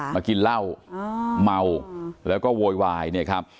มากินเหล้าเมาแล้วก็โวยวายเนี่ยครับ